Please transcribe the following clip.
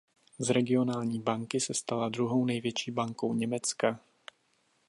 Z regionální banky se stala druhou největší bankou Německa.